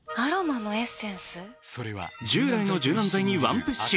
従来の柔軟剤にワンプッシュ。